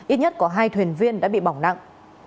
ít nhất có hai thuyền viên đã bị bỏng nặng